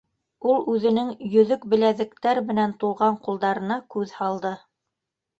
Ул үҙенең йөҙөк-беләҙектәр менән тулған ҡулдарына күҙ һалды.